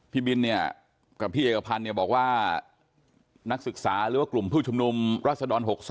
พี่บินเนี่ยกับพี่เอกพันธ์เนี่ยบอกว่านักศึกษาหรือว่ากลุ่มผู้ชุมนุมรัศดร๖๒